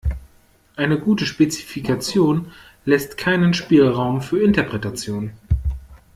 Eine gute Spezifikation lässt keinen Spielraum für Interpretationen.